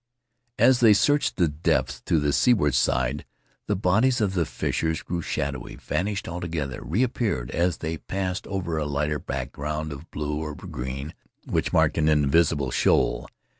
As they searched the depths to the seaward side the bodies of the fishers grew shadowy, vanished altogether, reappeared as they passed over a lighter background of blue or green which marked an invisible shoal.